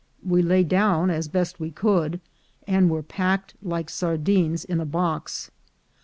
We lay down as best we could, and were packed like sardines in a box.